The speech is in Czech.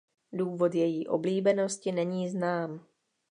Důvod její oblíbenosti není znám.